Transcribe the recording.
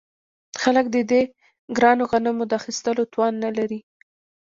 خلک د دې ګرانو غنمو د اخیستلو توان نلري